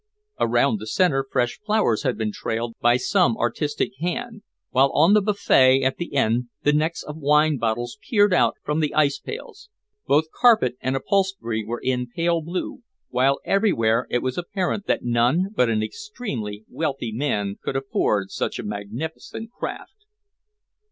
Around the center fresh flowers had been trailed by some artistic hand, while on the buffet at the end the necks of wine bottles peered out from the ice pails. Both carpet and upholstery were in pale blue, while everywhere it was apparent that none but an extremely wealthy man could afford such a magnificent craft.